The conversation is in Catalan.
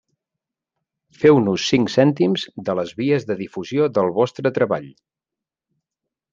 Feu-nos cinc cèntims de les vies de difusió del vostre treball.